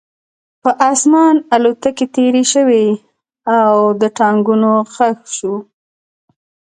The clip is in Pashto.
په آسمان الوتکې تېرې شوې او د ټانکونو غږ شو